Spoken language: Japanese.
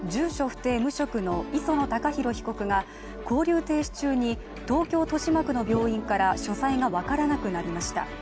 不定・無職の磯野貴博被告が勾留停止中に東京・豊島区の病院から所在が分からなくなりました。